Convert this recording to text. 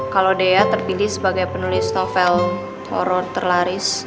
kalau dea terpilih sebagai penulis novel horror terlaris